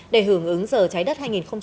để hưởng ứng giờ trái đất hai nghìn hai mươi bốn